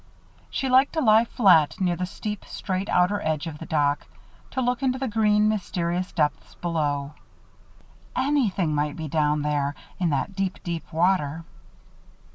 She liked to lie flat, near the steep, straight outer edge of the dock, to look into the green, mysterious depths below. _Any_thing might be down there, in that deep, deep water.